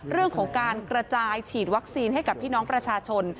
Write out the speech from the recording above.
เรื่องของการกระจายฉีดวัคซีนให้กับพี่น้องประชาชน